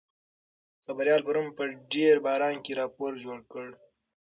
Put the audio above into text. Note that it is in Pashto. خبریال پرون په ډېر باران کې راپور جوړ کړ.